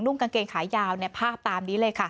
กางเกงขายาวภาพตามนี้เลยค่ะ